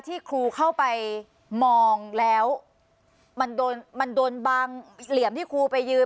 ที่ครูเข้าไปมองแล้วมันโดนมันโดนบางเหลี่ยมที่ครูไปยืน